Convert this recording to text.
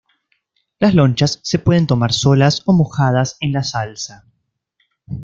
Las lonchas se pueden tomar solas o mojadas en la salsa.